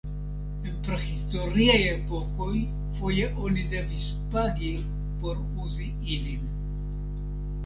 El prahistoriaj epokoj foje oni devis pagi por uzi ilin.